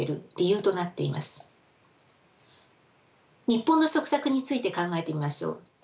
日本の食卓について考えてみましょう。